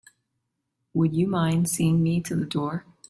Would you mind seeing me to the door?